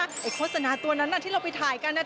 ไอโฆษณาตัวนั้นน่ะที่เราไปถ่ายกันนะ